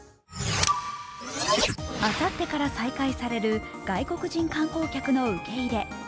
あさってから再開される外国人観光客の受け入れ。